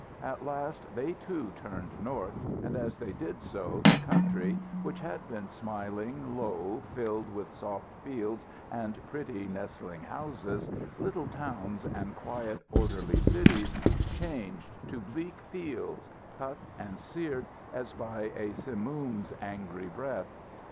At last they too turned north, and as they did so the country, which had been smiling, low, filled with soft fields and pretty, nestling houses, little towns and quiet, orderly cities, changed to bleak fields, cut and seared as by a simoom's angry breath.